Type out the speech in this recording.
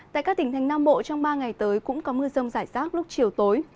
tại các tỉnh thành nam bộ trong ba ngày tới cũng có mưa rông rải rác lúc chiều tối